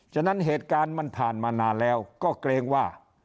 ฉะนั้นเหตุการณ์มันผ่านมานานแล้วก็เกรงว่า